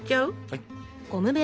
はい。